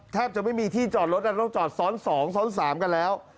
แทบจะไม่มีที่จอดรถต้องจอดซ้อน๒ซ้อน๓กันแล้ว